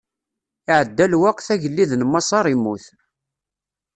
Iɛedda lweqt, agellid n Maṣer immut.